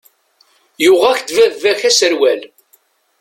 Yuɣ-ak-d baba-k aserwal.